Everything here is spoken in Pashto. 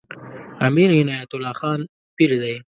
امیر عنایت الله خان پیر دی.